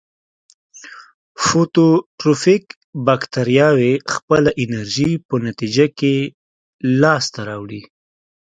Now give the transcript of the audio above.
فوتوټروفیک باکتریاوې خپله انرژي په نتیجه کې لاس ته راوړي.